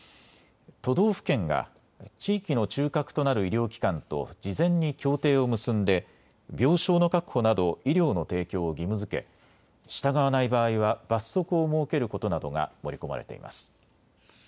都道府県が地域の中核となる医療機関と事前に協定を結んで病床の確保など医療の提供を義務づけ、従わない場合は罰則を設けることなどが盛り込まれています。